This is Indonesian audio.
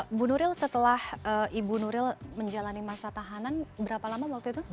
ibu nuril setelah ibu nuril menjalani masa tahanan berapa lama waktu itu